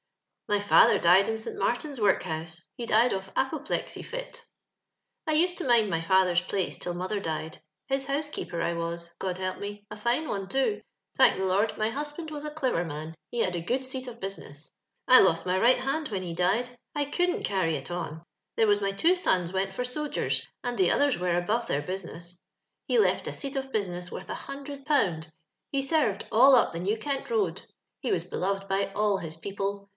My father died in St. Martin's Workhouse. He died of apoplexy fit. " 1 used to mind my father's place till mother died. His honsekeopor 1 was — God help me ! a line on<i too. Thank tlw? Lord, my husband was tt rleviu man ; he hud a good seat of busi ness. I lost my right liand when ho died. I couldn't carry it on. There was my two sons went for sogers, and the others were above tlicir business. He left a seat of business worth a hundred pound ; he sened all up the New Kentroad. lie was beloved by all his people.